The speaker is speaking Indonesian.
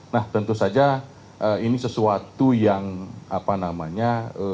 nah tentu saja ini sesuatu yang apa namanya